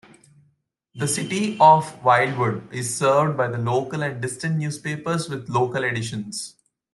The City of Wildwood is served by local and distance newspapers with local editions.